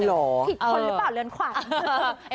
ผิดคนหรือเปล่าเรือนขวัญ